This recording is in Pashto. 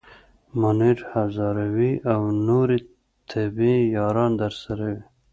منیر هزاروی او نورې طبې یاران درسره وي.